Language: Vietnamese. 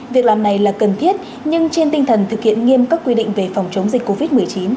việc làm này là cần thiết nhưng trên tinh thần thực hiện nghiêm các quy định về phòng chống dịch covid một mươi chín